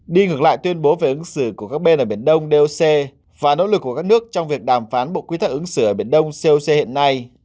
đi ngược lại tuyên bố về ứng xử của các bên ở biển đông doc và nỗ lực của các nước trong việc đàm phán bộ quy tắc ứng xử ở biển đông coc hiện nay